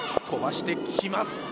飛ばしてきます。